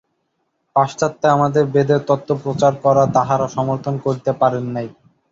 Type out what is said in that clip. পাশ্চাত্যে আমার বেদের তত্ত্ব প্রচার করা তাঁহারা সমর্থন করিতে পারেন নাই।